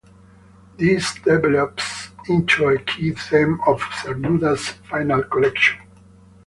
This develops into a key theme of Cernuda's final collection.